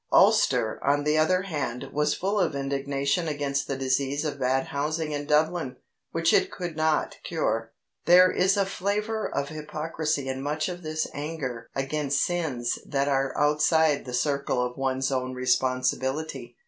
Ulster, on the other hand, was full of indignation against the disease of bad housing in Dublin, which it could not cure. There is a flavour of hypocrisy in much of this anger against sins that are outside the circle of one's own responsibility.